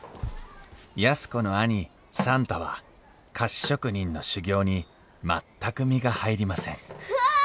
安子の兄算太は菓子職人の修業に全く身が入りませんわあ！